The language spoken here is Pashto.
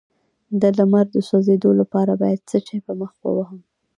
د لمر د سوځیدو لپاره باید څه شی په مخ ووهم؟